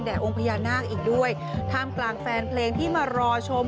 องค์พญานาคอีกด้วยท่ามกลางแฟนเพลงที่มารอชม